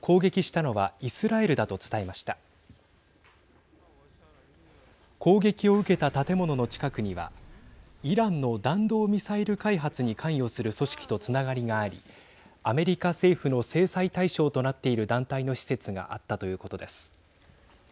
攻撃を受けた建物の近くにはイランの弾道ミサイル開発に関与する組織とつながりがありアメリカ政府の制裁対象となっている団体の施設があったということです。